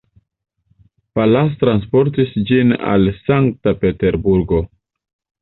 Pallas transportis ĝin al Sankta-Peterburgo.